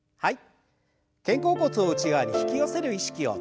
はい。